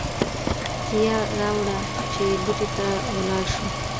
کیه راوړه چې بوټي ته ولاړ شو.